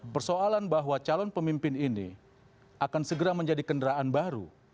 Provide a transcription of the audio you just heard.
persoalan bahwa calon pemimpin ini akan segera menjadi kendaraan baru